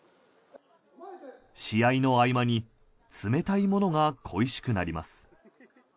試合の合間に冷たいものが恋しくなります。